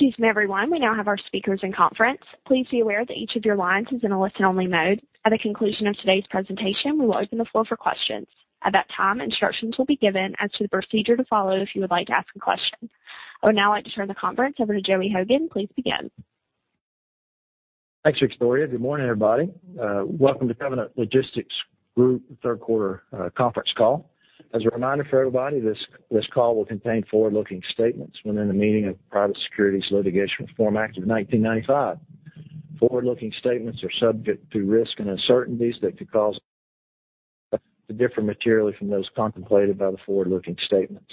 Excuse me, everyone. We now have our speakers in conference. Please be aware that each of your lines is in a listen-only mode. At the conclusion of today's presentation, we will open the floor for questions. At that time, instructions will be given as to the procedure to follow if you would like to ask a question. I would now like to turn the conference over to Joey Hogan. Please begin. Thanks, Victoria. Good morning, everybody. Welcome to Covenant Logistics Group third quarter conference call. As a reminder for everybody, this call will contain forward-looking statements within the meaning of the Private Securities Litigation Reform Act of 1995. Forward-looking statements are subject to risks and uncertainties that could cause them to differ materially from those contemplated by the forward-looking statements.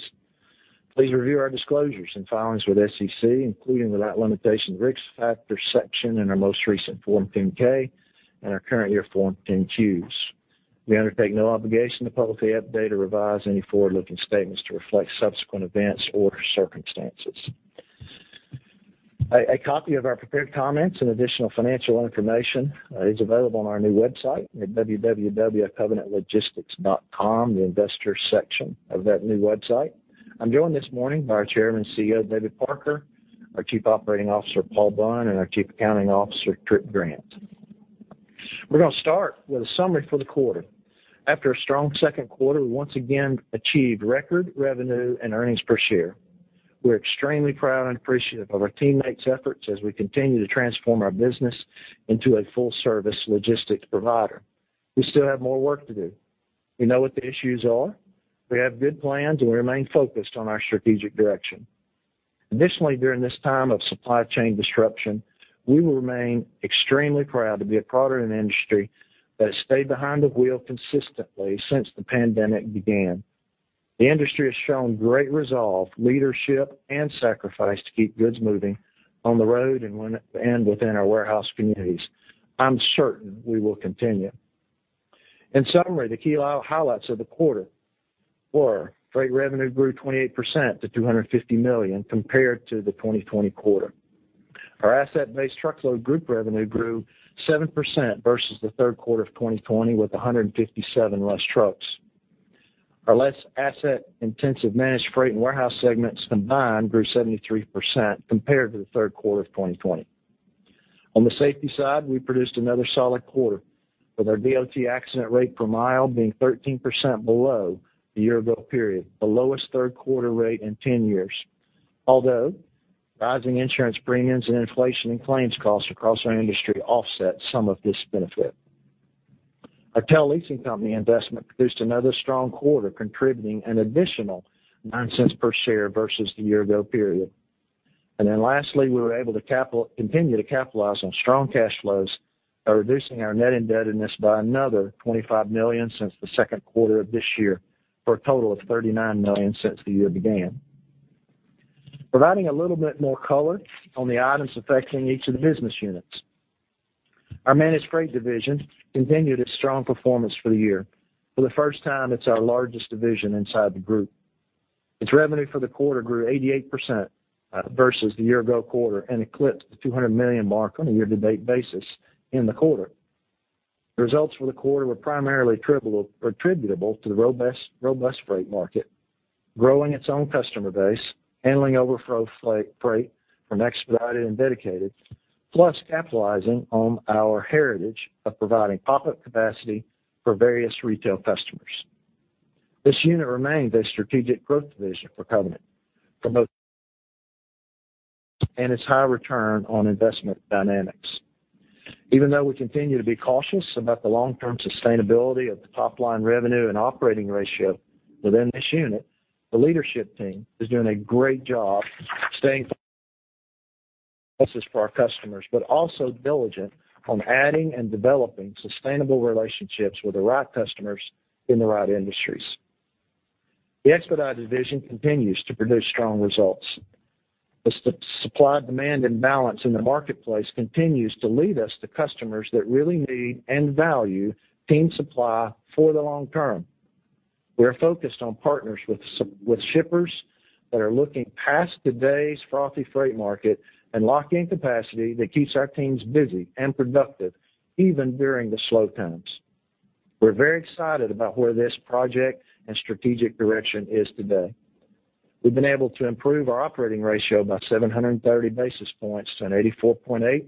Please review our disclosures and filings with SEC, including without limitation, the Risk Factors section in our most recent Form 10-K and our current year Form 10-Qs. We undertake no obligation to publicly update or revise any forward-looking statements to reflect subsequent events or circumstances. A copy of our prepared comments and additional financial information is available on our new website at www.covenantlogistics.com, the Investors section of that new website. I'm joined this morning by our Chairman and CEO, David Parker, our Chief Operating Officer, Paul Bunn, and our Chief Accounting Officer, Tripp Grant. We're going to start with a summary for the quarter. After a strong second quarter, we once again achieved record revenue and earnings per share. We're extremely proud and appreciative of our teammates' efforts as we continue to transform our business into a full-service logistics provider. We still have more work to do. We know what the issues are. We have good plans. We remain focused on our strategic direction. Additionally, during this time of supply chain disruption, we will remain extremely proud to be a part of an industry that has stayed behind the wheel consistently since the pandemic began. The industry has shown great resolve, leadership, and sacrifice to keep goods moving on the road and within our warehouse communities. I'm certain we will continue. In summary, the key highlights of the quarter were, freight revenue grew 28% to $250 million compared to the 2020 quarter. Our asset-based truckload group revenue grew 7% versus the third quarter of 2020, with 157 less trucks. Our less asset-intensive Managed Freight and Warehousing segments combined grew 73% compared to the third quarter of 2020. On the safety side, we produced another solid quarter with our DOT accident rate per mile being 13% below the year ago period, the lowest third quarter rate in 10 years. Rising insurance premiums and inflation and claims costs across our industry offset some of this benefit. Our TEL leasing company investment produced another strong quarter, contributing an additional $0.09 per share versus the year ago period. Lastly, we were able to continue to capitalize on strong cash flows by reducing our net indebtedness by another $25 million since the second quarter of this year, for a total of $39 million since the year began. Providing a little bit more color on the items affecting each of the business units. Our Managed Freight division continued its strong performance for the year. For the first time, it's our largest division inside the group. Its revenue for the quarter grew 88% versus the year-ago quarter and eclipsed the $200 million mark on a year-to-date basis in the quarter. The results for the quarter were primarily attributable to the robust freight market, growing its own customer base, handling overflow freight from Expedited and Dedicated, plus capitalizing on our heritage of providing pop-up capacity for various retail customers. This unit remains a strategic growth division for Covenant for both and its high return on investment dynamics. We continue to be cautious about the long-term sustainability of the top-line revenue and operating ratio within this unit, the leadership team is doing a great job staying for our customers, but also diligent on adding and developing sustainable relationships with the right customers in the right industries. The Expedited division continues to produce strong results. The supply-demand imbalance in the marketplace continues to lead us to customers that really need and value team supply for the long term. We're focused on partners with shippers that are looking past today's frothy freight market and locking capacity that keeps our teams busy and productive even during the slow times. We're very excited about where this project and strategic direction is today. We've been able to improve our operating ratio by 730 basis points to an 84.8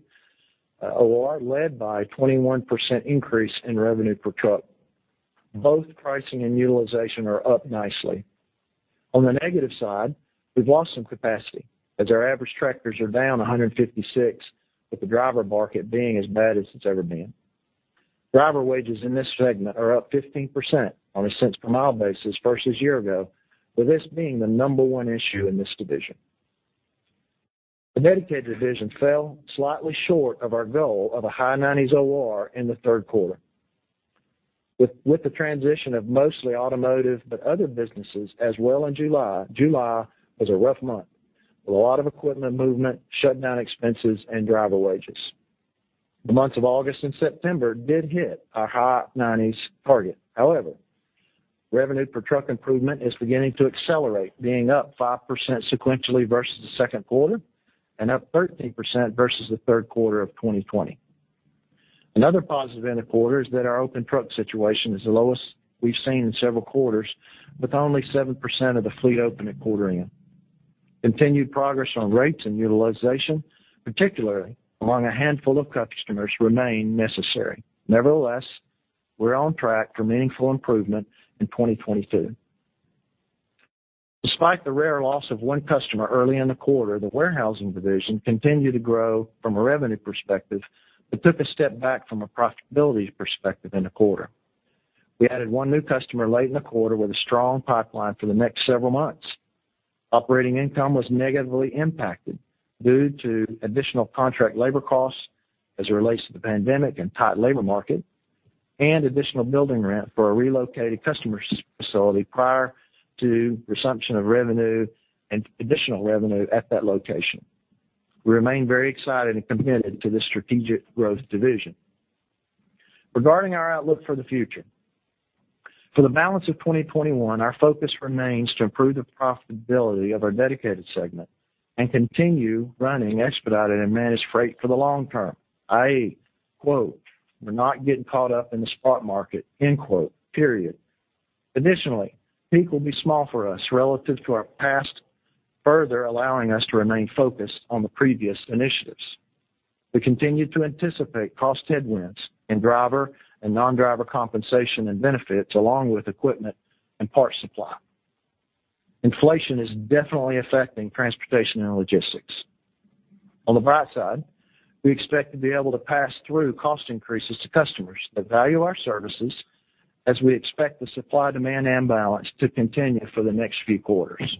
OR, led by a 21% increase in revenue per truck. Both pricing and utilization are up nicely. On the negative side, we've lost some capacity as our average tractors are down 156, with the driver market being as bad as it's ever been. Driver wages in this segment are up 15% on a cents per mile basis versus year ago, with this being the number one issue in this division. The Dedicated division fell slightly short of our goal of a high 90s OR in the third quarter. With the transition of mostly automotive, but other businesses as well in July was a rough month, with a lot of equipment movement, shutdown expenses, and driver wages. The months of August and September did hit our high 90s target. However, revenue per truck improvement is beginning to accelerate, being up 5% sequentially versus the second quarter and up 13% versus the third quarter of 2020. Another positive in the quarter is that our open truck situation is the lowest we've seen in several quarters, with only 7% of the fleet open at quarter end. Continued progress on rates and utilization, particularly among a handful of customers, remain necessary. Nevertheless, we're on track for meaningful improvement in 2022. Despite the rare loss of one customer early in the quarter, the Warehousing division continued to grow from a revenue perspective, but took a step back from a profitability perspective in the quarter. We added one new customer late in the quarter with a strong pipeline for the next several months. Operating income was negatively impacted due to additional contract labor costs as it relates to the pandemic and tight labor market, and additional building rent for a relocated customer's facility prior to resumption of revenue and additional revenue at that location. We remain very excited and committed to this strategic growth division. Regarding our outlook for the future. For the balance of 2021, our focus remains to improve the profitability of our Dedicated segment and continue running Expedited and Managed Freight for the long term, i.e., "We're not getting caught up in the spot market." Period. Additionally, peak will be small for us relative to our past, further allowing us to remain focused on the previous initiatives. We continue to anticipate cost headwinds in driver and non-driver compensation and benefits, along with equipment and parts supply. Inflation is definitely affecting transportation and logistics. On the bright side, we expect to be able to pass through cost increases to customers that value our services as we expect the supply-demand imbalance to continue for the next few quarters.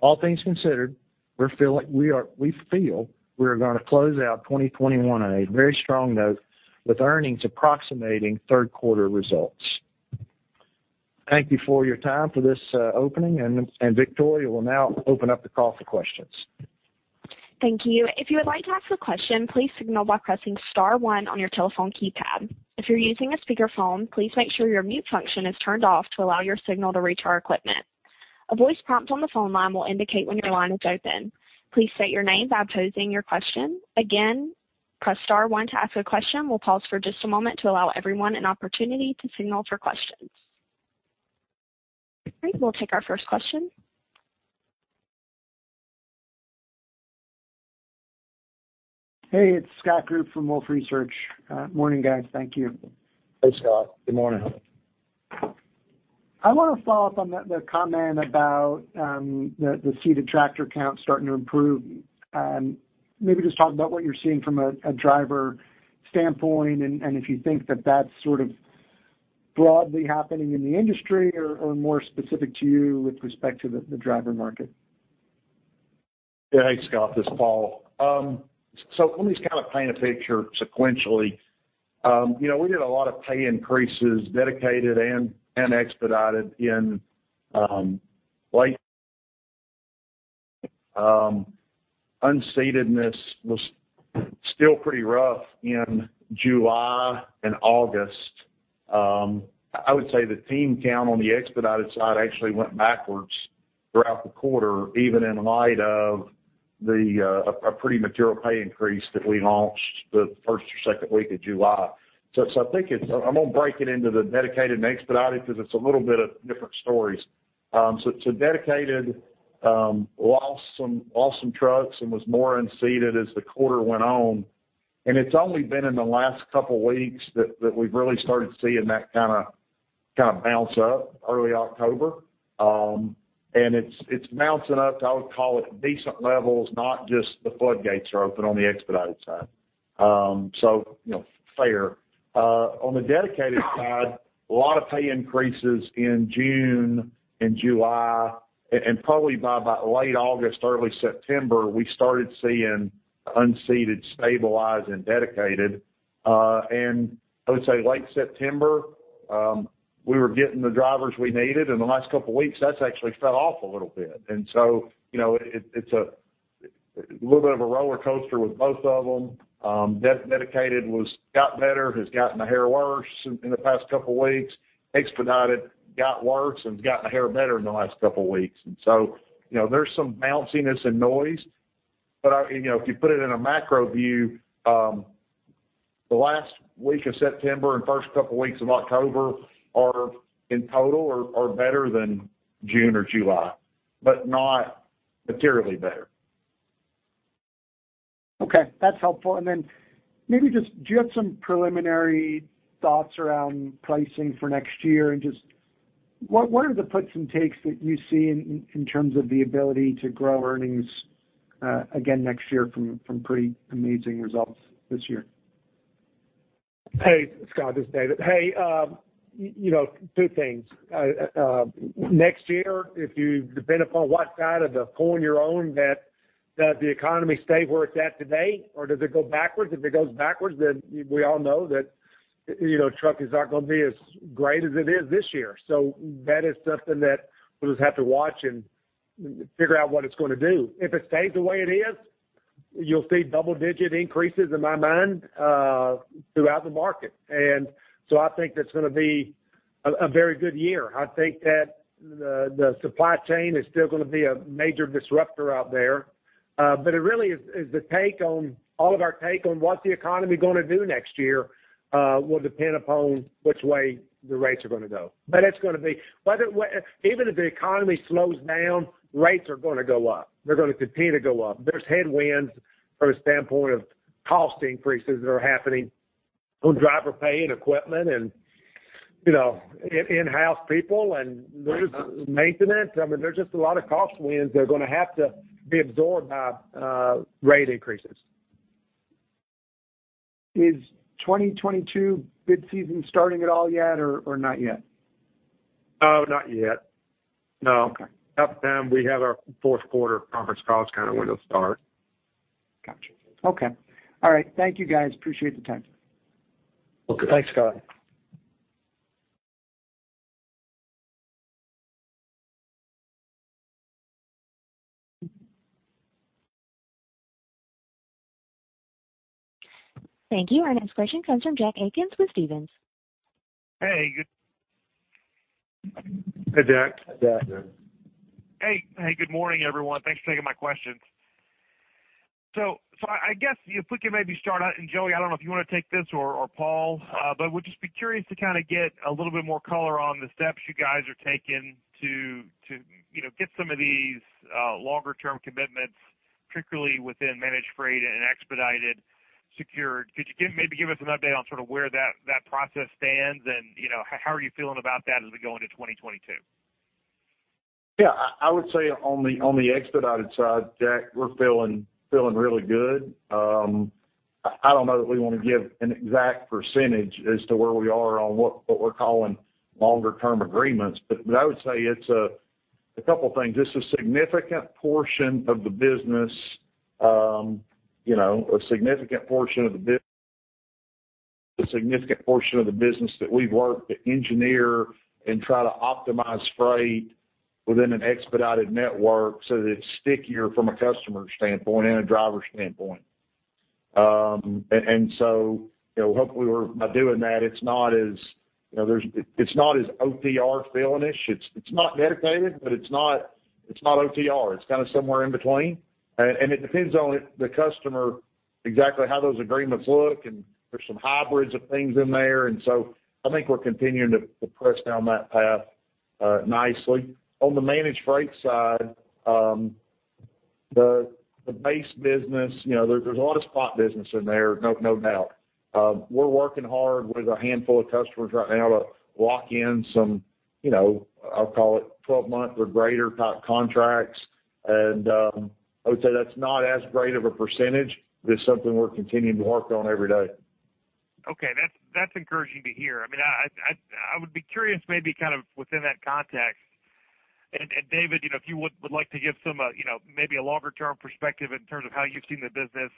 All things considered, we feel we are going to close out 2021 on a very strong note with earnings approximating third quarter results. Thank you for your time for this opening, and Victoria will now open up the call for questions. Thank you. If you would like to ask a question, please signal by pressing star one on your telephone keypad. If you're using a speakerphone, please make sure your mute function is turned off to allow your signal to reach our equipment. A voice prompt on the phone line will indicate when your line is open. Please state your name by posing your question. Again, press star one to ask a question. We'll pause for just a moment to allow everyone an opportunity to signal for questions. Great. We'll take our first question. Hey, it's Scott Group from Wolfe Research. Morning, guys. Thank you. Hey, Scott. Good morning. I want to follow up on the comment about the seated tractor count starting to improve. Maybe just talk about what you're seeing from a driver standpoint and if you think that that's sort of broadly happening in the industry or more specific to you with respect to the driver market. Yeah. Hey, Scott, this is Paul. Let me just kind of paint a picture sequentially. We did a lot of pay increases, Dedicated and Expedited in late unseatedness was still pretty rough in July and August. I would say the team count on the Expedited side actually went backwards throughout the quarter, even in light of a pretty material pay increase that we launched the 1st or 2nd week of July. I think I'm going to break it into the Dedicated and Expedited because it's a little bit of different stories. Dedicated lost some trucks and was more unseated as the quarter went on. It's only been in the last couple of weeks that we've really started seeing that kind of bounce up early October. It's bouncing up to, I would call it decent levels, not just the floodgates are open on the Expedited side. Fair. On the Dedicated side, a lot of pay increases in June and July, probably by late August, early September, we started seeing unseated stabilize in Dedicated. I would say late September, we were getting the drivers we needed. In the last couple of weeks, that's actually fell off a little bit. It's a little bit of a roller coaster with both of them. Dedicated got better, has gotten a hair worse in the past couple of weeks. Expedited got worse and has gotten a hair better in the last couple of weeks. There's some bounciness and noise, but if you put it in a macro view, the last week of September and first couple of weeks of October are in total are better than June or July, but not materially better. Okay, that's helpful. Maybe just do you have some preliminary thoughts around pricing for next year and just what are the puts and takes that you see in terms of the ability to grow earnings again next year from pretty amazing results this year? Hey, Scott, this is David. Hey, two things. Next year, if you depend upon what side of the coin you're on, that the economy stay where it's at today or does it go backwards? If it goes backwards, we all know that trucking is not going to be as great as it is this year. That is something that we'll just have to watch and figure out what it's going to do. If it stays the way it is, you'll see double-digit increases in my mind throughout the market. I think that's going to be. A very good year. I think that the supply chain is still going to be a major disruptor out there. It really is the take on all of our take on what the economy going to do next year, will depend upon which way the rates are going to go. Even if the economy slows down, rates are going to go up. They're going to continue to go up. There's headwinds from a standpoint of cost increases that are happening on driver pay and equipment and in-house people and there's maintenance. There are just a lot of cost winds that are going to have to be absorbed by rate increases. Is 2022 bid season starting at all yet, or not yet? Not yet, no. Okay. We have our fourth quarter conference call is kind of when it'll start. Got you. Okay. All right. Thank you guys. Appreciate the time. Okay. Thanks, Scott. Thank you. Our next question comes from Jack Atkins with Stephens. Hey, good- Hey, Jack. Hey, Jack. Hey. Good morning, everyone. Thanks for taking my questions. I guess if we could maybe start out, and Joey, I don't know if you want to take this or Paul, but would just be curious to kind of get a little bit more color on the steps you guys are taking to get some of these longer term commitments, particularly within Managed Freight and Expedited secured. Could you maybe give us an update on sort of where that process stands, and how are you feeling about that as we go into 2022? I would say on the Expedited side, Jack, we're feeling really good. I don't know that we want to give an exact percentage as to where we are on what we're calling longer term agreements. I would say it's a couple of things. It's a significant portion of the business, a significant portion of the business that we've worked to engineer and try to optimize freight within an Expedited network so that it's stickier from a customer standpoint and a driver standpoint. Hopefully by doing that, it's not as OTR feeling-ish. It's not Dedicated, but it's not OTR. It's kind of somewhere in between, and it depends on the customer exactly how those agreements look. There's some hybrids of things in there. I think we're continuing to press down that path nicely. On the Managed Freight side, the base business, there's a lot of spot business in there, no doubt. We're working hard with a handful of customers right now to lock in some, I'll call it 12-month or greater type contracts. I would say that's not as great of a percentage, but it's something we're continuing to work on every day. Okay. That's encouraging to hear. I would be curious maybe kind of within that context, and David, if you would like to give maybe a longer-term perspective in terms of how you've seen the business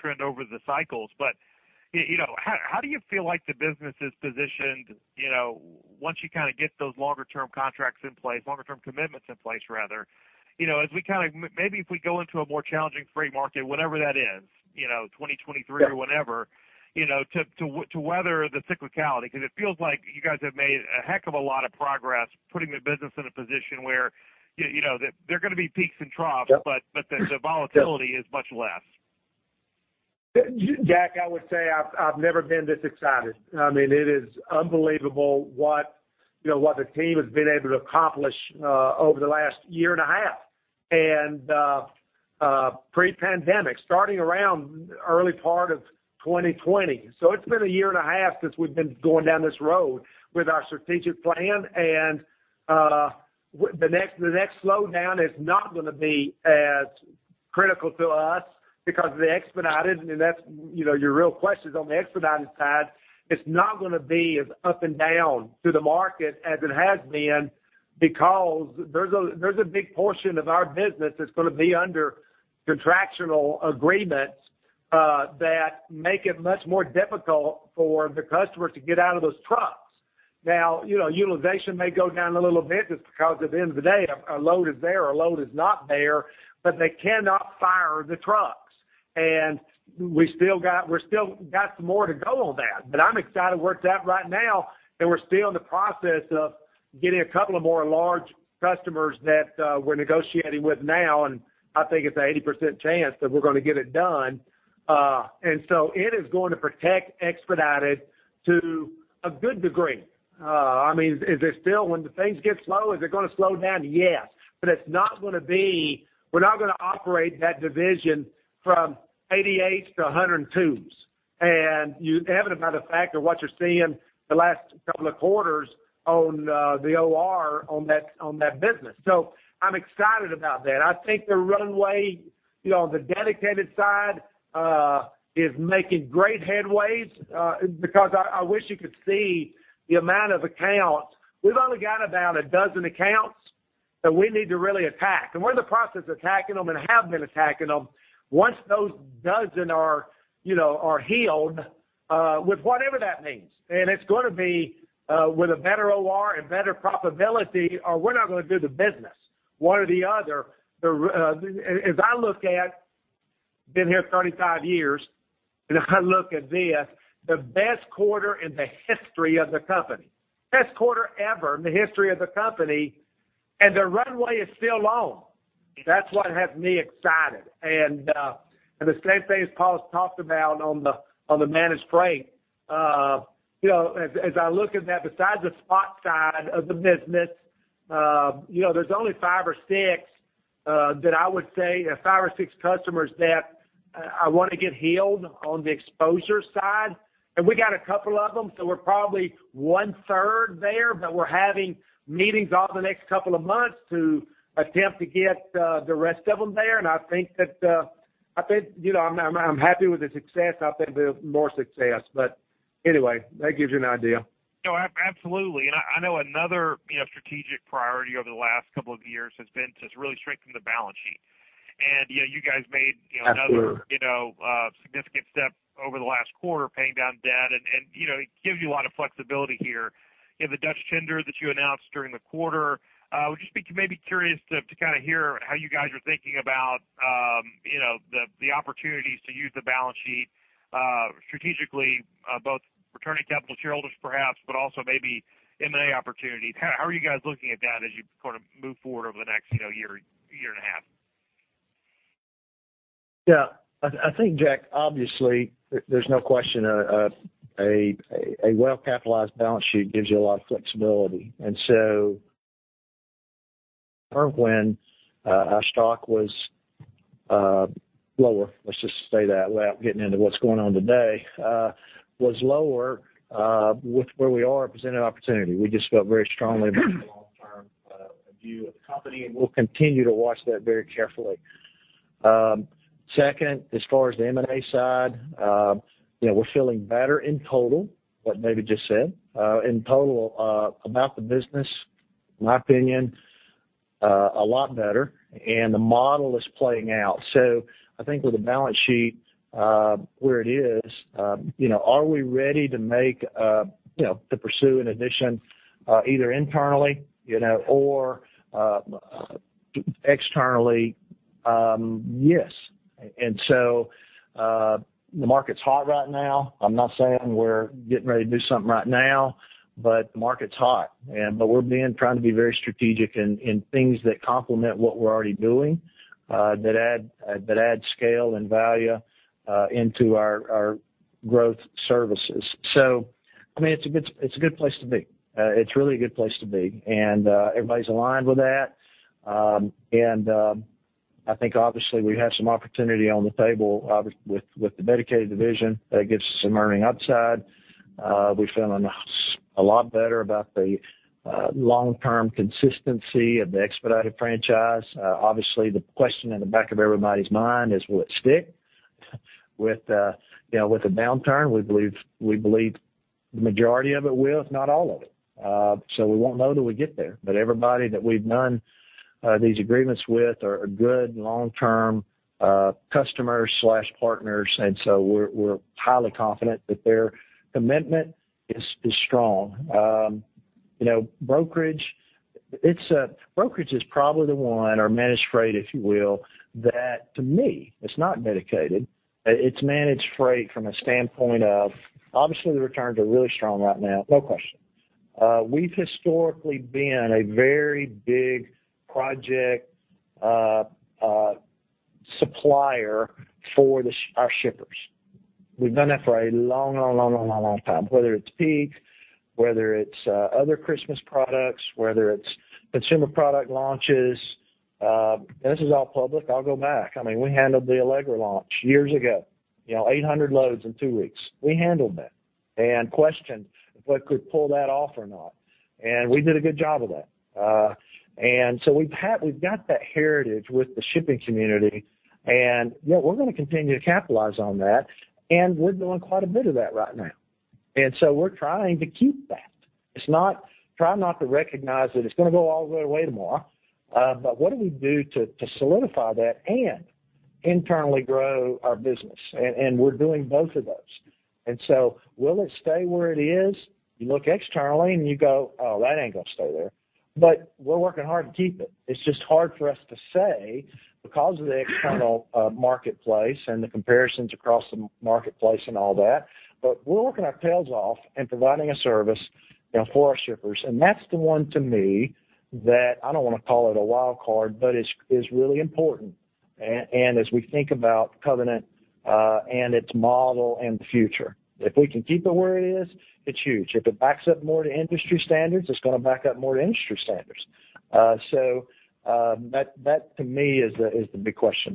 trend over the cycles. How do you feel like the business is positioned once you kind of get those longer term contracts in place, longer term commitments in place rather? Maybe if we go into a more challenging freight market, whatever that is, 2023 or whenever, to weather the cyclicality, because it feels like you guys have made a heck of a lot of progress putting the business in a position where there are going to be peaks and troughs. Yep. The volatility is much less. Jack, I would say I've never been this excited. It is unbelievable what the team has been able to accomplish over the last year and a half, and pre-pandemic, starting around early part of 2020. It's been a year and a half since we've been going down this road with our strategic plan. The next slowdown is not going to be as critical to us because of the Expedited, and that's your real question, is on the Expedited side. It's not going to be as up and down to the market as it has been because there's a big portion of our business that's going to be under contractional agreements that make it much more difficult for the customer to get out of those trucks. Now, utilization may go down a little bit just because at the end of the day, a load is there or a load is not there, but they cannot fire the trucks. We still got some more to go on that. I'm excited where it's at right now. We're still in the process of getting a couple of more large customers that we're negotiating with now. I think it's an 80% chance that we're going to get it done. It is going to protect Expedited to a good degree. When the things get slow, is it going to slow down? Yes. We're not going to operate that division from 88 to 102. You have it a matter of fact of what you're seeing the last couple of quarters on the OR on that business. I'm excited about that. I think the runway on the Dedicated side is making great headways because I wish you could see the amount of accounts. We've only got about 12 accounts that we need to really attack, and we're in the process of attacking them and have been attacking them. Once those 12 are healed, with whatever that means. It's going to be with a better OR and better profitability or we're not going to do the business, one or the other. As I look at- been here 35 years. I look at this, the best quarter in the history of the company. Best quarter ever in the history of the company. The runway is still long. That's what has me excited. The same thing as Paul's talked about on the Managed Freight. As I look at that, besides the spot side of the business, there's only five or six customers that I want to get healed on the exposure side. We got a couple of them. We're probably 1/3 there. We're having meetings over the next couple of months to attempt to get the rest of them there. I think that I'm happy with the success. I think there'll be more success. Anyway, that gives you an idea. No, absolutely. I know another strategic priority over the last couple of years has been to really strengthen the balance sheet. You guys made- Absolutely. another significant step over the last quarter, paying down debt, and it gives you a lot of flexibility here. You have the Dutch tender that you announced during the quarter. Would just be maybe curious to hear how you guys are thinking about the opportunities to use the balance sheet strategically, both returning capital to shareholders perhaps, but also maybe M&A opportunities. How are you guys looking at that as you move forward over the next year and a half? Yeah. I think, Jack, obviously there's no question a well-capitalized balance sheet gives you a lot of flexibility. When our stock was lower, let's just say that without getting into what's going on today, was lower with where we are, presented opportunity. We just felt very strongly about the long-term view of the company, and we'll continue to watch that very carefully. Second, as far as the M&A side, we're feeling better in total, what David just said. In total, about the business, in my opinion, a lot better, and the model is playing out. I think with the balance sheet where it is, are we ready to pursue an addition either internally or externally? Yes. The market's hot right now. I'm not saying we're getting ready to do something right now, but the market's hot. We're being, trying to be very strategic in things that complement what we're already doing, that add scale and value into our growth services. It's a good place to be. It's really a good place to be. Everybody's aligned with that. I think obviously we have some opportunity on the table with the Dedicated division. That gives us some earning upside. We're feeling a lot better about the long-term consistency of the Expedited franchise. Obviously, the question in the back of everybody's mind is, will it stick? With the downturn, we believe the majority of it will, if not all of it. We won't know till we get there. Everybody that we've done these agreements with are good long-term customers/partners, and so we're highly confident that their commitment is strong. Brokerage is probably the one, or Managed Freight, if you will, that to me, it's not Dedicated. It's Managed Freight from a standpoint of, obviously the returns are really strong right now, no question. We've historically been a very big project supplier for our shippers. We've done that for a long time, whether it's peak, whether it's other Christmas products, whether it's consumer product launches. This is all public. I'll go back. We handled the Allegra launch years ago, 800 loads in two weeks. We handled that and questioned if we could pull that off or not. We did a good job of that. We've got that heritage with the shipping community, and we're going to continue to capitalize on that, and we're doing quite a bit of that right now. We're trying to keep that. It's try not to recognize that it's going to go all the way away tomorrow, but what do we do to solidify that and internally grow our business? We're doing both of those. Will it stay where it is? You look externally and you go, "Oh, that ain't going to stay there." We're working hard to keep it. It's just hard for us to say because of the external marketplace and the comparisons across the marketplace and all that. We're working our tails off and providing a service for our shippers. That's the one to me that, I don't want to call it a wild card, but is really important, and as we think about Covenant and its model and the future. If we can keep it where it is, it's huge. If it backs up more to industry standards, it's going to back up more to industry standards. That to me is the big question.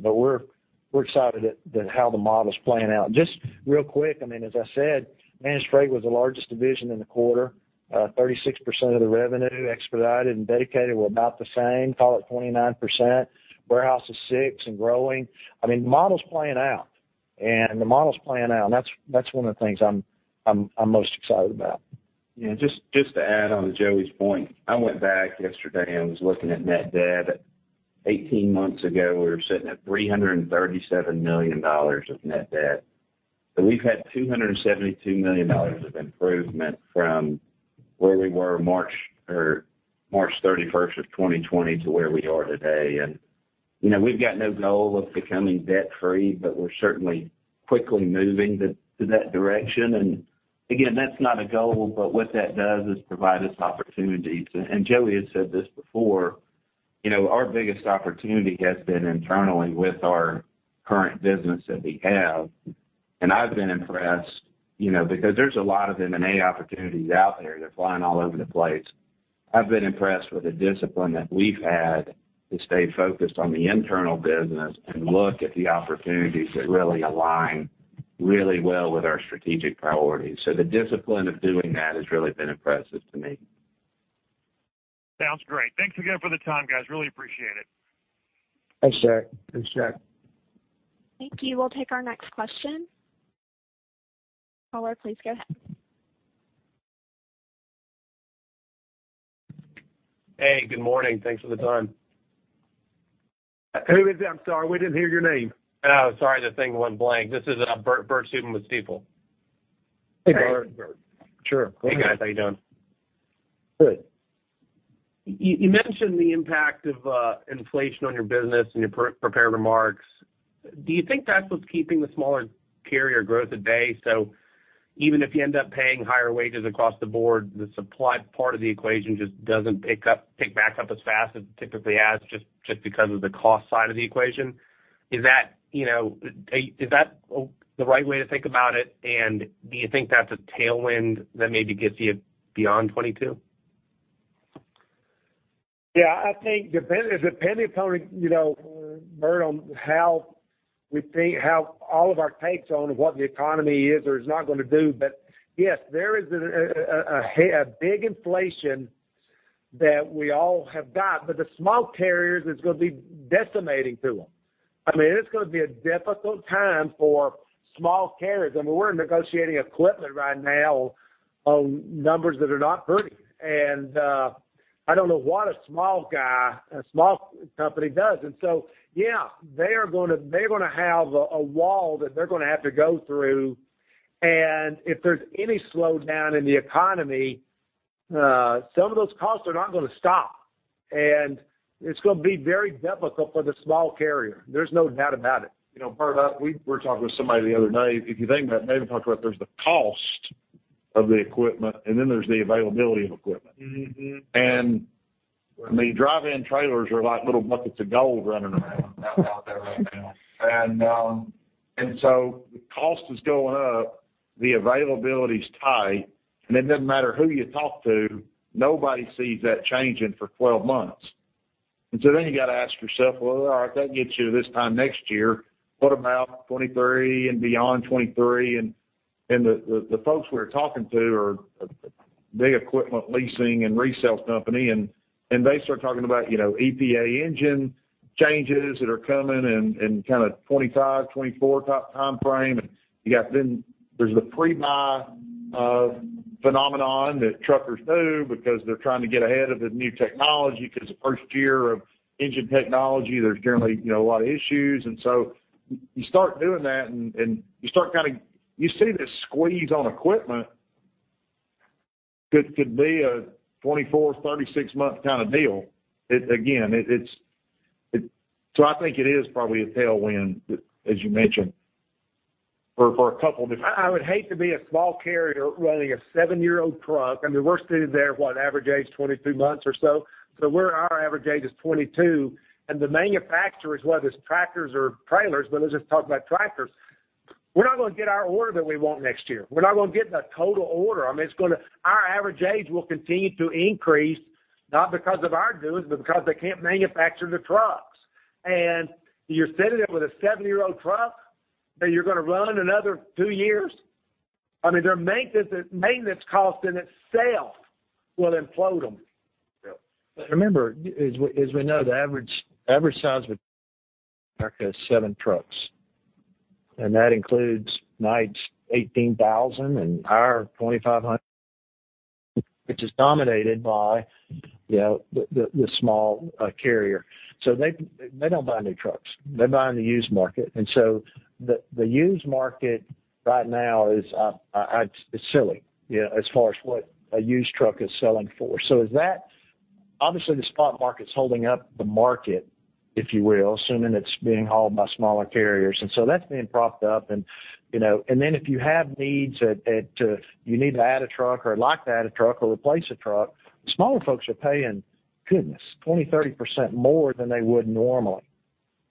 We're excited at how the model's playing out. Just real quick, as I said, Managed Freight was the largest division in the quarter. 36% of the revenue Expedited and Dedicated were about the same, call it 29%. Warehousing is 6% and growing. The model's playing out. The model's playing out, and that's one of the things I'm most excited about. Just to add on to Joey's point. I went back yesterday and was looking at net debt. 18 months ago, we were sitting at $337 million of net debt. We've had $272 million of improvement from where we were March 31st, 2020 to where we are today. We've got no goal of becoming debt-free, but we're certainly quickly moving to that direction. Again, that's not a goal, but what that does is provide us opportunities. Joey has said this before, our biggest opportunity has been internally with our current business that we have. I've been impressed, because there's a lot of M&A opportunities out there that are flying all over the place. I've been impressed with the discipline that we've had to stay focused on the internal business and look at the opportunities that really align really well with our strategic priorities. The discipline of doing that has really been impressive to me. Sounds great. Thanks again for the time, guys. Really appreciate it. Thanks, Jack. Thanks, Jack. Thank you. We'll take our next question. Caller, please go ahead. Hey, good morning. Thanks for the time. Who is this? I'm sorry, we didn't hear your name. Oh, sorry. The thing went blank. This is Bert Subin with Stifel. Hey, Bert. Sure. Hey, guys. How you doing? Good. You mentioned the impact of inflation on your business in your prepared remarks. Do you think that's what's keeping the smaller carrier growth at bay? Even if you end up paying higher wages across the board, the supply part of the equation just doesn't pick back up as fast as it typically has, just because of the cost side of the equation. Is that the right way to think about it, and do you think that's a tailwind that maybe gets you beyond 2022? Yeah, I think it depends upon, Bert, on all of our takes on what the economy is or is not going to do. Yes, there is a big inflation that we all have got, but the small carriers, it's going to be decimating to them. It's going to be a difficult time for small carriers. We're negotiating equipment right now on numbers that are not pretty, and I don't know what a small guy, a small company does. So yeah, they're going to have a wall that they're going to have to go through, and if there's any slowdown in the economy, some of those costs are not going to stop. It's going to be very difficult for the small carrier. There's no doubt about it. Bert, we were talking with somebody the other day. If you think about it, they were talking about there's the cost of the equipment, and then there's the availability of equipment. Dry van trailers are like little buckets of gold running around out there right now. The cost is going up, the availability's tight, and it doesn't matter who you talk to, nobody sees that changing for 12 months. Then you got to ask yourself, "Well, all right, that gets you to this time next year. What about 2023 and beyond 2023?" The folks we were talking to are big equipment leasing and resale company, and they start talking about EPA engine changes that are coming in kind of 2025, 2024 type timeframe. Then there's the pre-buy phenomenon that truckers do because they're trying to get ahead of the new technology because the first year of engine technology, there's generally a lot of issues. You start doing that, and you see this squeeze on equipment. Could be a 24, 36-month kind of deal. I think it is probably a tailwind, as you mentioned, for a couple of different. I would hate to be a small carrier running a seven-year-old truck. We're sitting there, what? Average age 22 months or so. Our average age is 22. The manufacturers, whether it's tractors or trailers, let's just talk about tractors. We're not going to get our order that we want next year. We're not going to get the total order. Our average age will continue to increase, not because of our doing, because they can't manufacture the trucks. You're sitting there with a seven-year-old truck that you're going to run another two years? Their maintenance cost in itself will implode them. Yeah. Remember, as we know, the average size of seven trucks, and that includes Knight's 18,000 and our 2,500, which is dominated by the small carrier. They don't buy new trucks. They buy in the used market. The used market right now is, it's silly as far as what a used truck is selling for. Obviously the spot market's holding up the market, if you will, assuming it's being hauled by smaller carriers. That's being propped up. If you have needs, you need to add a truck or lock that truck or replace a truck, smaller folks are paying, goodness, 20%-30% more than they would normally.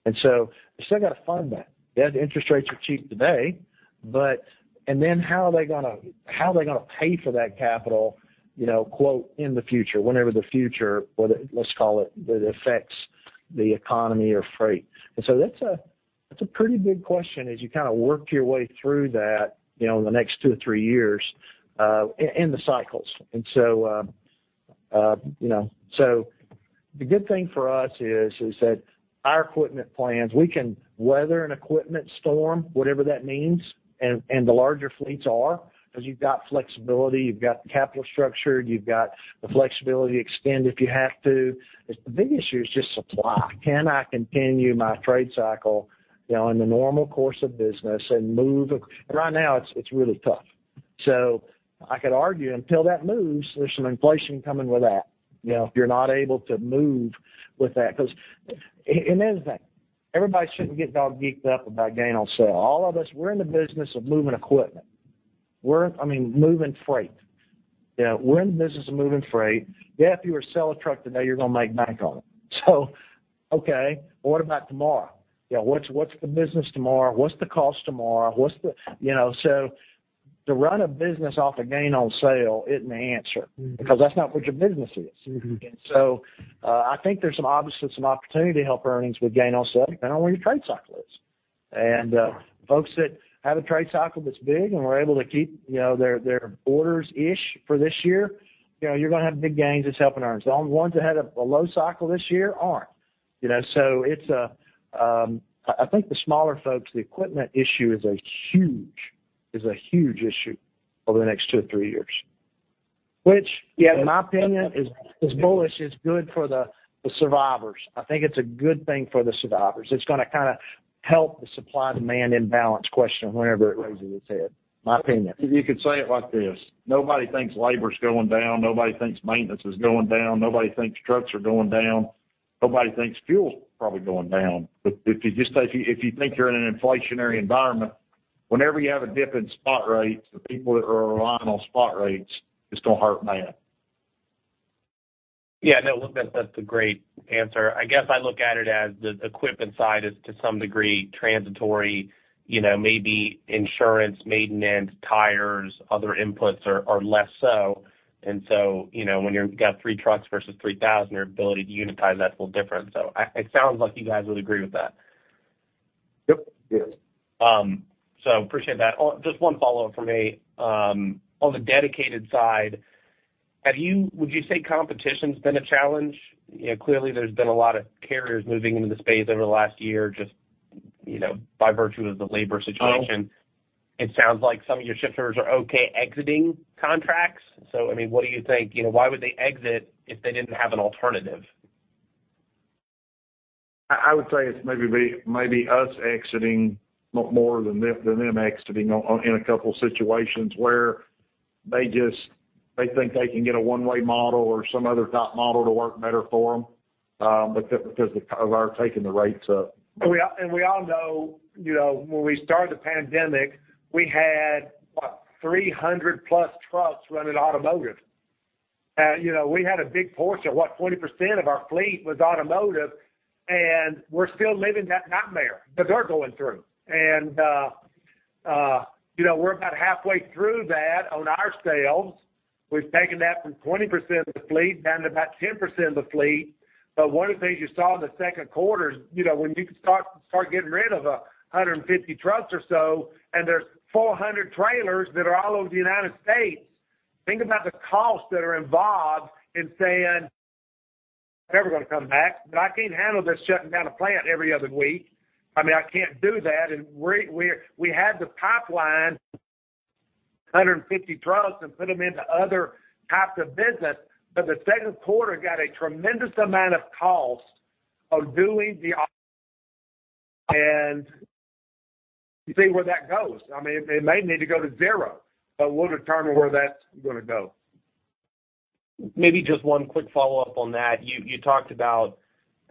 They still got to fund that. Yeah, the interest rates are cheap today, then how are they going to pay for that capital, quote, "in the future?" Whenever the future, let's call it, that affects the economy or freight. That's a pretty big question as you work your way through that in the next two or three years, in the cycles. The good thing for us is that our equipment plans, we can weather an equipment storm, whatever that means, and the larger fleets are, because you've got flexibility, you've got the capital structure, you've got the flexibility to extend if you have to. The big issue is just supply. Can I continue my trade cycle in the normal course of business and move? Right now it's really tough. I could argue until that moves, there's some inflation coming with that. If you're not able to move with that, everybody shouldn't get all geeked up about gain on sale. All of us, we're in the business of moving equipment. We're in the business of moving freight. Yeah, if you were to sell a truck today, you're going to make bank on it. Okay, what about tomorrow? What's the business tomorrow? What's the cost tomorrow? To run a business off a gain on sale isn't the answer, because that's not what your business is. I think there's obviously some opportunity to help earnings with gain on sale, depending on where your trade cycle is. Folks that have a trade cycle that's big and we're able to keep their orders-ish for this year, you're going to have big gains that's helping earnings. The only ones that had a low cycle this year aren't. I think the smaller folks, the equipment issue is a huge issue over the next two to three years. Which, in my opinion, is bullish, it's good for the survivors. I think it's a good thing for the survivors. It's going to help the supply-demand imbalance question whenever it raises its head. My opinion. You could say it like this, nobody thinks labor's going down, nobody thinks maintenance is going down, nobody thinks trucks are going down, nobody thinks fuel's probably going down. If you think you're in an inflationary environment, whenever you have a dip in spot rates, the people that are relying on spot rates, it's going to hurt bad. Yeah, no, that's a great answer. I guess I look at it as the equipment side is to some degree transitory, maybe insurance, maintenance, tires, other inputs are less so. When you've got three trucks versus 3,000, your ability to unitize that's a little different. It sounds like you guys would agree with that. Yep. Yes. Appreciate that. Just one follow-up from me. On the Dedicated side, would you say competition's been a challenge? Clearly there's been a lot of carriers moving into the space over the last year, just by virtue of the labor situation. It sounds like some of your shippers are okay exiting contracts. What do you think? Why would they exit if they didn't have an alternative? I would say it's maybe us exiting more than them exiting in a couple situations where they think they can get a one-way model or some other type model to work better for them, because of our taking the rates up. We all know, when we started the pandemic, we had 300+ trucks running automotive. We had a big portion, what, 40% of our fleet was automotive, and we're still living that nightmare that they're going through. We're about halfway through that on our sales. We've taken that from 20% of the fleet down to about 10% of the fleet. One of the things you saw in the second quarter is, when you can start getting rid of 150 trucks or so and there's 400 trailers that are all over the U.S., think about the costs that are involved in saying, "Never going to come back. But I can't handle this shutting down a plant every other week. I can't do that." We had to pipeline 150 trucks and put them into other types of business, but the second quarter got a tremendous amount of cost of doing. You see where that goes. It may need to go to zero, but we'll determine where that's going to go. Maybe just one quick follow-up on that.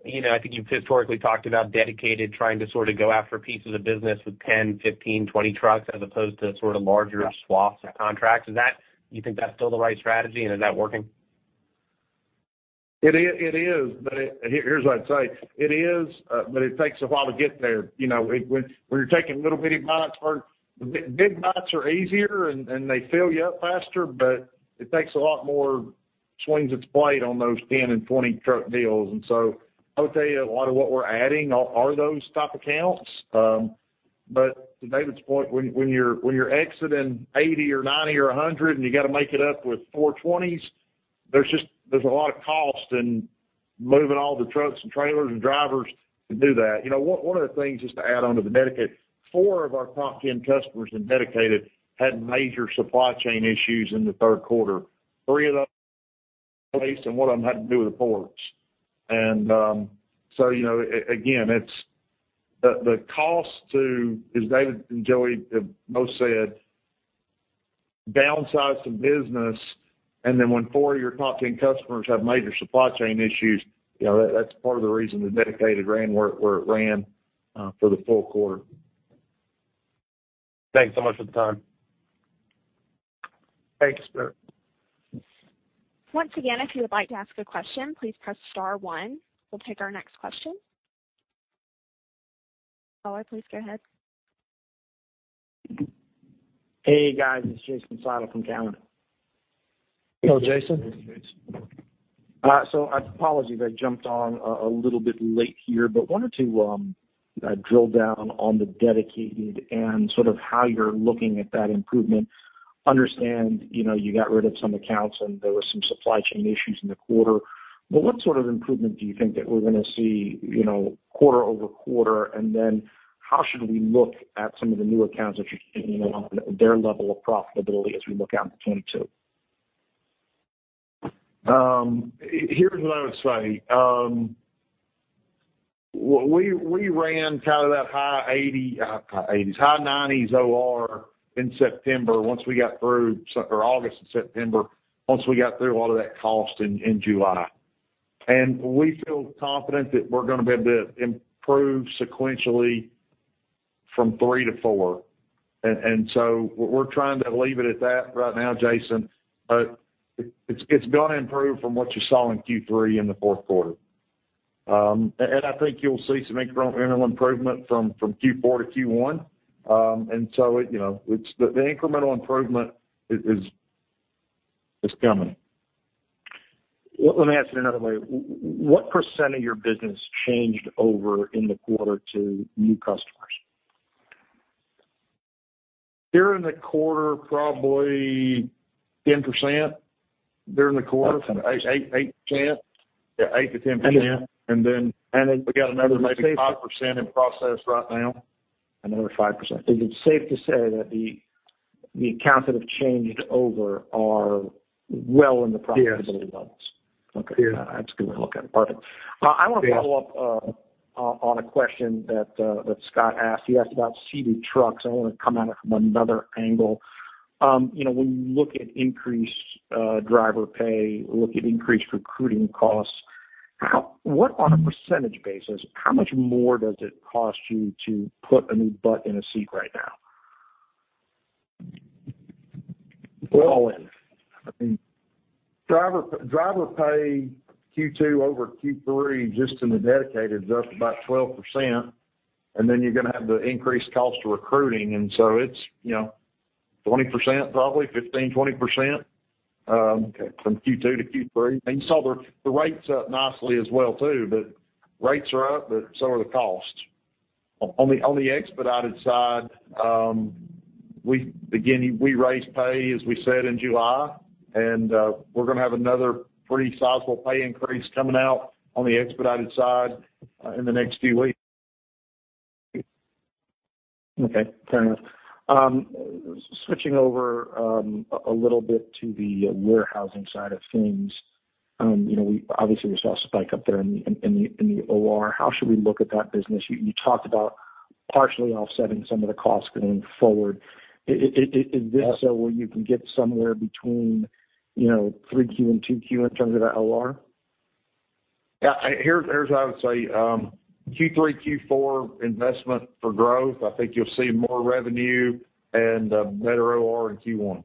I think you've historically talked about Dedicated, trying to go after pieces of business with 10, 15, 20 trucks as opposed to larger swaths of contracts. Do you think that's still the right strategy and is that working? It is, but here's what I'd say. It is, but it takes a while to get there. When you're taking little bitty bites first, big bites are easier and they fill you up faster, but it takes a lot more swings at the plate on those 10 and 20-truck deals. I would tell you a lot of what we're adding are those type accounts. To David's point, when you're exiting 80 or 90 or 100 and you got to make it up with four 20s, there's a lot of cost in moving all the trucks and trailers and drivers to do that. One of the things, just to add onto the Dedicated, four of our top 10 customers in Dedicated had major supply chain issues in the third quarter. Three of them based, and one of them had to do with the ports. Again, the cost to, as David and Joey have both said, downsize some business, and then when four of your top 10 customers have major supply chain issues, that's part of the reason the Dedicated ran where it ran, for the full quarter. Thanks so much for the time. Thanks. We'll take our next question. Caller, please go ahead. Hey, guys, it's Jason Seidl from Cowen. Hello, Jason. Hey, Jason. Apologies, I jumped on a little bit late here, but wanted to drill down on the Dedicated and how you're looking at that improvement. Understand you got rid of some accounts and there were some supply chain issues in the quarter, but what sort of improvement do you think that we're going to see quarter-over-quarter, and then how should we look at some of the new accounts that you're taking on, their level of profitability as we look out into 2022? Here's what I would say. We ran out of that high 90s OR in August and September, once we got through a lot of that cost in July. We feel confident that we're going to be able to improve sequentially from three to four. We're trying to leave it at that right now, Jason. It's going to improve from what you saw in Q3 in the fourth quarter. I think you'll see some incremental improvement from Q4 to Q1. The incremental improvement is coming. Let me ask it another way. What percentage of your business changed over in the quarter to new customers? During the quarter, probably 10%. During the quarter. Okay. 8%. Yeah, 8%-10%. Okay. We got another maybe 5% in process right now. Another 5%. Is it safe to say that the accounts that have changed over are well in the profitability levels? Yes. Okay. Yes. That's good to look at. Perfect. Yes. I want to follow up on a question that Scott asked. He asked about seated trucks. I want to come at it from another angle. When you look at increased driver pay, look at increased recruiting costs, on a percentage basis, how much more does it cost you to put a new butt in a seat right now? All in. Driver pay Q2 over Q3, just in the Dedicated, up about 12%. You're going to have the increased cost of recruiting. It's 20%, probably 15%, 20%. Okay. From Q2 to Q3. You saw the rates up nicely as well too, but rates are up, but so are the costs. On the Expedited side, we raised pay, as we said, in July, and we're going to have another pretty sizable pay increase coming out on the Expedited side in the next few weeks. Okay. Fair enough. Switching over a little bit to the Warehousing side of things. Obviously we saw a spike up there in the OR. How should we look at that business? You talked about partially offsetting some of the costs going forward. Is this where you can get somewhere between 3Q and 2Q in terms of that OR? Yeah. Here's what I would say. Q3, Q4 investment for growth, I think you'll see more revenue and better OR in Q1.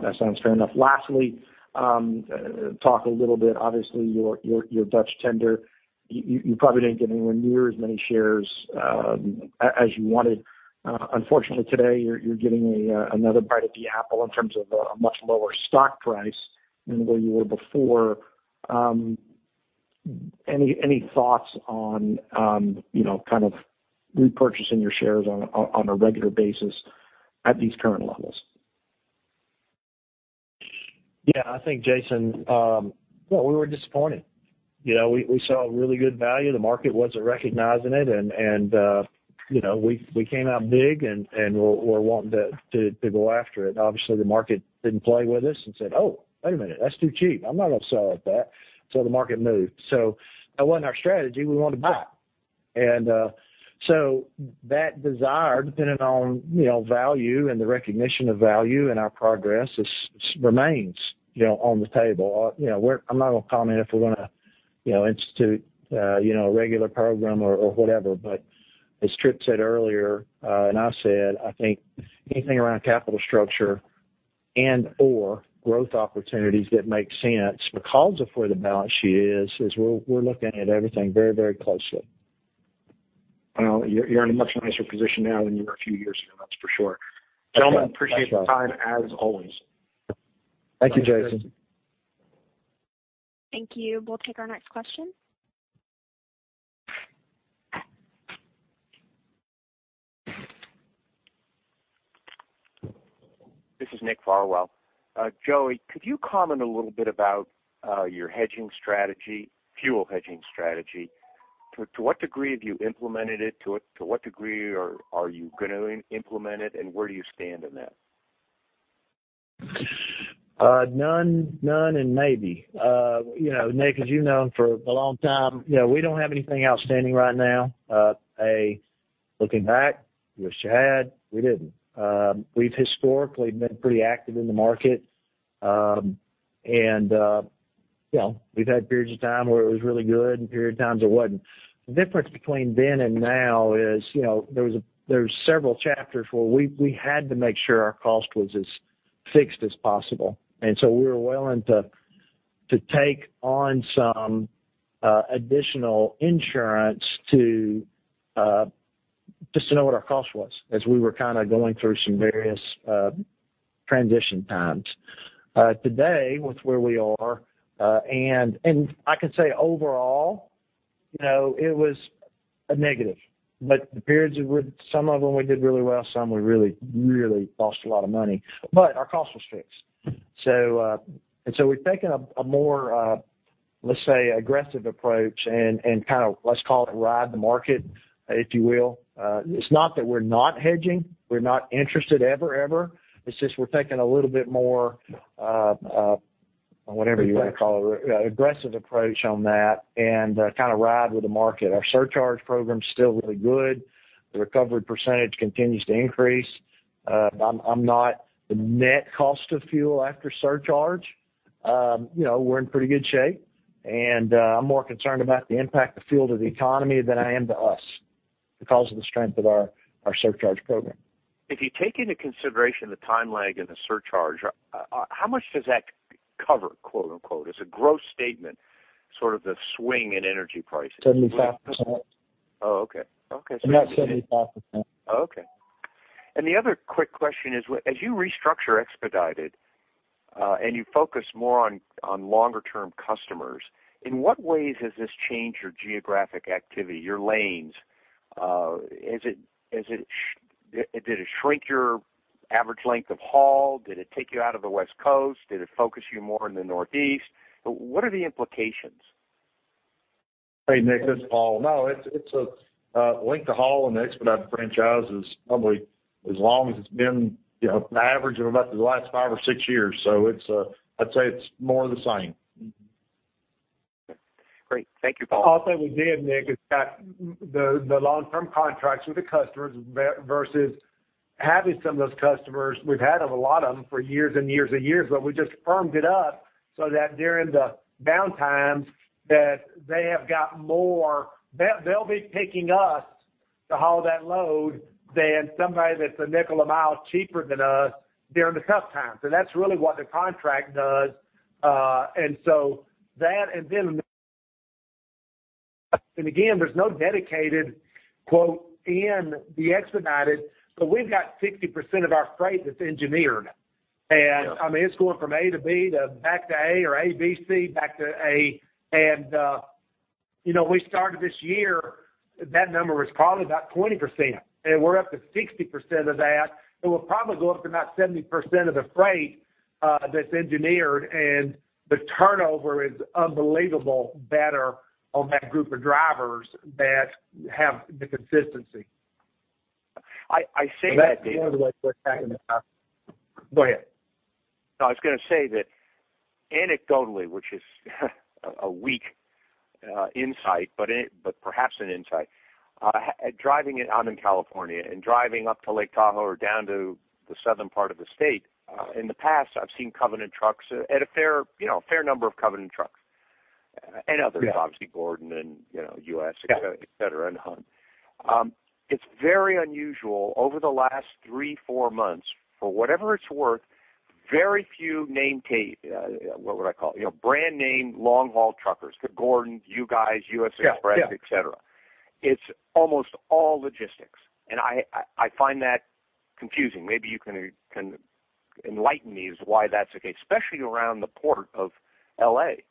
That sounds fair enough. Lastly, talk a little bit, obviously your Dutch tender, you probably didn't get anywhere near as many shares as you wanted. Unfortunately today, you're getting another bite at the apple in terms of a much lower stock price than where you were before. Any thoughts on repurchasing your shares on a regular basis at these current levels? Yeah. I think, Jason, well, we were disappointed. We saw a really good value. The market wasn't recognizing it, and we came out big and we're wanting to go after it. Obviously the market didn't play with us and said, "Oh, wait a minute, that's too cheap. I'm not going to sell it at that." The market moved. That wasn't our strategy. We want to buy. That desire, depending on value and the recognition of value and our progress remains on the table. I'm not going to comment if we're going to institute a regular program or whatever. As Tripp said earlier, and I said, I think anything around capital structure and/or growth opportunities that make sense because of where the balance sheet is we're looking at everything very closely. Well, you're in a much nicer position now than you were a few years ago, that's for sure. That's right. Gentlemen, appreciate the time, as always. Thank you, Jason. Thank you. Thank you. We'll take our next question. This is Nick Farwell. Joey, could you comment a little bit about your hedging strategy, fuel hedging strategy? To what degree have you implemented it? To what degree are you going to implement it, and where do you stand in that? None and maybe. Nick, as you've known for a long time, we don't have anything outstanding right now. Looking back, wish I had, we didn't. We've historically been pretty active in the market. We've had periods of time where it was really good and period of times it wasn't. The difference between then and now is, there's several chapters where we had to make sure our cost was as fixed as possible. We were willing to take on some additional insurance just to know what our cost was, as we were going through some various transition times. Today, with where we are, I can say overall, it was a negative. The periods, some of them we did really well, some we really lost a lot of money. Our cost was fixed. We've taken a more, let's say, aggressive approach and let's call it ride the market, if you will. It's not that we're not hedging. We're not interested ever. It's just we're taking a little bit more, whatever you want to call it, aggressive approach on that and ride with the market. Our surcharge program's still really good. The recovery percentage continues to increase. The net cost of fuel after surcharge, we're in pretty good shape, and I'm more concerned about the impact of fuel to the economy than I am to us because of the strength of our surcharge program. If you take into consideration the time lag and the surcharge, how much does that cover, quote unquote? As a gross statement, sort of the swing in energy prices? 75%. Oh, okay. About 75%. Okay. The other quick question is, as you restructure Expedited, and you focus more on longer term customers, in what ways has this changed your geographic activity, your lanes? Did it shrink your average length of haul? Did it take you out of the West Coast? Did it focus you more in the Northeast? What are the implications? Hey, Nick, this is Paul. No, length of haul in the Expedited franchise is probably as long as it's been, an average of about the last five or six years. I'd say it's more of the same. Great. Thank you, Paul. I'll say with them, Nick, it's got the long-term contracts with the customers versus having some of those customers. We've had a lot of them for years and years, but we just firmed it up so that during the down times, that they have got more They'll be picking us to haul that load than somebody that's a nickel a mile cheaper than us during the tough times. That's really what the contract does. That, and then, again, there's no Dedicated quote in the Expedited, but we've got 60% of our freight that's engineered. It's going from A to B to back to A or A, B, C back to A. We started this year, that number was probably about 20%, and we're up to 60% of that. We'll probably go up to about 70% of the freight that's engineered, and the turnover is unbelievably better on that group of drivers that have the consistency. I see that, David. Go ahead. No, I was going to say that anecdotally, which is a weak insight, but perhaps an insight, out in California and driving up to Lake Tahoe or down to the southern part of the state, in the past, I've seen Covenant trucks, a fair number of Covenant trucks and others, obviously Gordon and U.S., et cetera, and Hunt. It's very unusual over the last three, four months, for whatever it's worth, very few nameplate, what would I call it? Brand name long-haul truckers, the Gordons, you guys, U.S. Xpress, et cetera. It's almost all logistics. And I find that confusing. Maybe you can enlighten me as to why that's the case, especially around the port of L.A.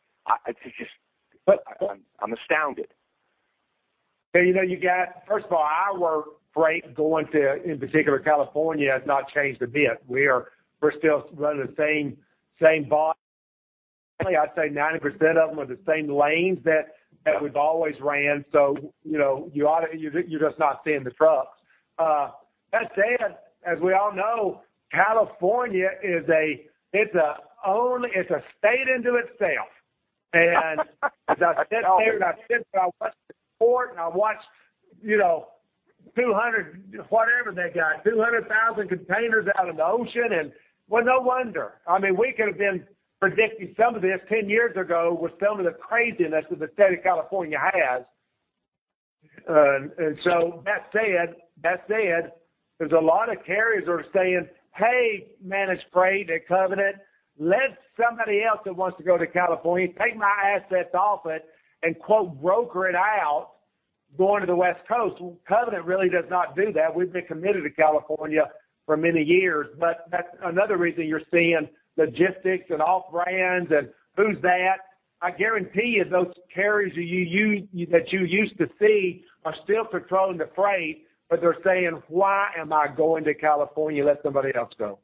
I'm astounded. First of all, our freight going to, in particular, California has not changed a bit. We're still running the same volume. I'd say 90% of them are the same lanes that we've always ran. You're just not seeing the trucks. That said, as we all know, California is a state unto itself. As I sit there and I watch the port and I watch 200,000 containers out in the ocean. Well, no wonder. We could have been predicting some of this 10 years ago with some of the craziness that the state of California has. That said, there's a lot of carriers that are saying, "Hey, Managed Freight at Covenant, let somebody else that wants to go to California take my assets off it and quote, broker it out going to the West Coast." Covenant really does not do that. We've been committed to California for many years. That's another reason you're seeing logistics and off-brands and who's that? I guarantee you those carriers that you used to see are still controlling the freight. They're saying, "Why am I going to California? Let somebody else go.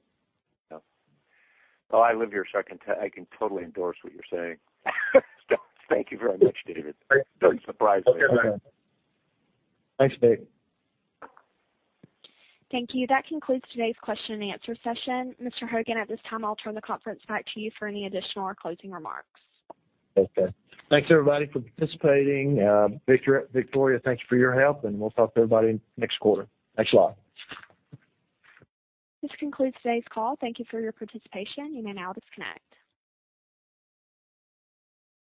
Yep. Well, I live here, so I can totally endorse what you're saying. Thank you very much, David. Don't surprise me. Okay. Thanks, Nick. Thank you. That concludes today's question and answer session. Mr. Hogan, at this time, I'll turn the conference back to you for any additional or closing remarks. Okay. Thanks everybody for participating. Victoria, thanks for your help, and we'll talk to everybody next quarter. Thanks a lot. This concludes today's call. Thank you for your participation. You may now disconnect.